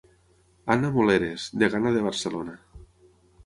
Anna Moleres, degana de Barcelona.